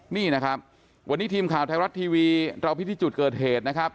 นี่นะครับวันนี้ทีมข่าวไทยรัฐทีวีเราพิธีจุดเกิดเหตุนะครับ